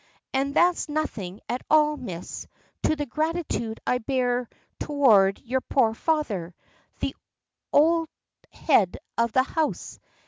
An' that's nothing at all, Miss, to the gratitude I bear toward yer poor father, the ould head o' the house.